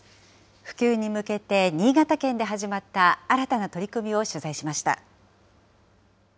普及に向けて新潟県で始まった新たな取り組みを取材しました。